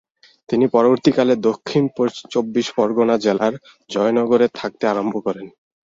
তিনি পরবর্তী কালে দক্ষিণ চব্বিশ পরগনা জেলার জয়নগরে থাকতে আরম্ভ করেন।